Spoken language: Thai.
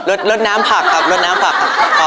เอ๊ะรสน้ำผักครับรสน้ำผักครับ